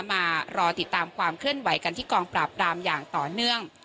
มารอติดตามความเคลื่อนไหวกันที่กองปราบรามอย่างต่อเนื่อง